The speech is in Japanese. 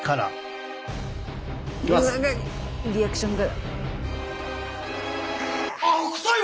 リアクションが。